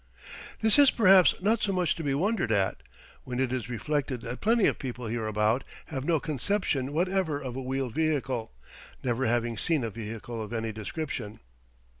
This is perhaps not so much to be wondered at, when it is reflected that plenty of people hereabout have no conception whatever of a wheeled vehicle, never having seen a vehicle of any description.